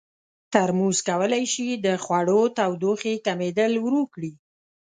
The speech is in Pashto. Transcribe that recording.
ترموز کولی شي د خوړو تودوخې کمېدل ورو کړي.